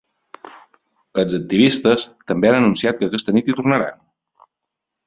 Els activistes també han anunciat que aquesta nit hi tornaran.